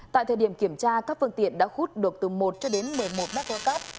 tại thời điểm kiểm tra các phương tiện đã hút được từ một cho đến một mươi một mác cơ cấp